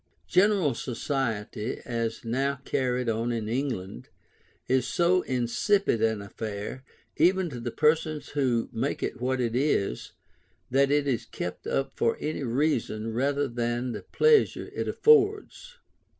General society, as now carried on in England, is so insipid an affair, even to the persons who make it what it is, that it is kept up for any reason rather than the pleasure it affords.